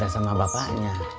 dia kan bisa minta sama bapaknya